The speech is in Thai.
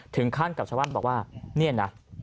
ถึงขั้นกับชาวบ้านบอกว่าเนี่ยนะ